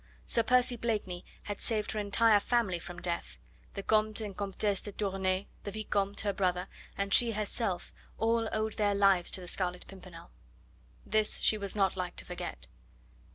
Sir Percy Blakeney had saved her entire family from death, the Comte and Comtesse de Tournai, the Vicomte, her brother, and she herself all owed their lives to the Scarlet Pimpernel. This she was not like to forget.